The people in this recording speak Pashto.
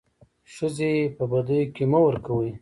ښځي په بديو کي مه ورکوئ.